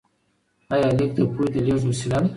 آیا لیک د پوهې د لیږد وسیله ده؟